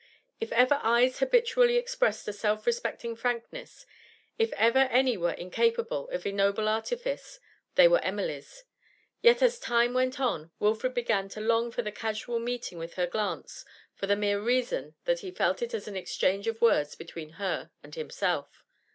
If ever eyes habitually expressed a self respecting frankness, if ever any were incapable of ignoble artifice, they were Emily's; yet as time went on Wilfrid began to long for the casual meeting with her glance for the mere reason that he felt it as an exchange of words between her and himself.